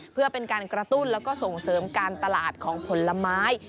เพื่อเป็นการกระตุ้นแล้วก็ส่งเสริมการตลาดของผลไม้